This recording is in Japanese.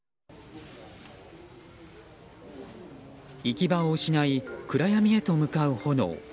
行き場を失い暗闇へと向かう炎。